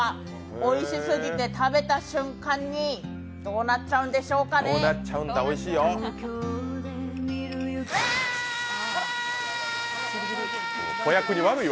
おいしすぎて食べた瞬間にどうなっちゃうんでしょうかね。わ！！